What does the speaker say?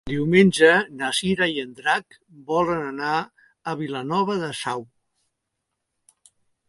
Diumenge na Cira i en Drac volen anar a Vilanova de Sau.